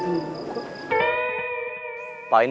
itu kalau kan